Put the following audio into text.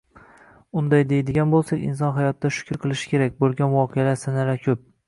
Unday deydigan boʻlsak, inson hayotida shukr qilishi kerak boʻlgan voqealar, sanalar koʻp